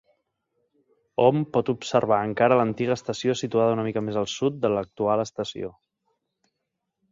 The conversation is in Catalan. Hom pot observar encara l'antiga estació situada una mica més al sud de l'actual estació.